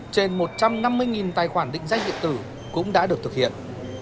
trên một trăm năm mươi tài khoản định danh điện tử cũng đã được thực hiện